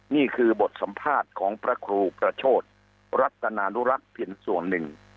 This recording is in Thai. นี่คือบทสัมภาษณ์ของพระครูประโชธรัตนานุรักษ์เพียงส่วนหนึ่ง